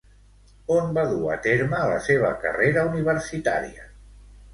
On va dur a terme la seva carrera universitària?